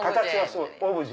オブジェ。